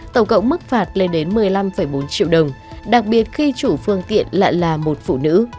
tổng cộng mức phạt lên đến một mươi năm bốn triệu đồng đặc biệt khi chủ phương tiện lại là một phụ nữ